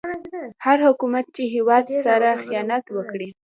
هر حکومت چې هيواد سره خيانت وکړي